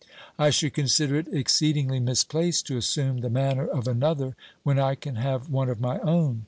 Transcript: I should consider it exceedingly misplaced to assume the manner of another when I can have one of my own.